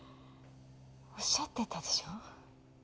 おっしゃってたでしょう？